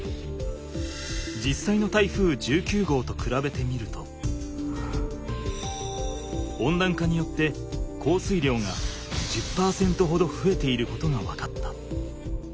じっさいの台風１９号とくらべてみると温暖化によって降水量が１０％ほどふえていることが分かった。